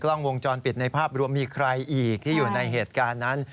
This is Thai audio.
กล้องวงจรปิดในภาพรวมมีใครอีกที่อยู่ในเหตุการณ์นั้น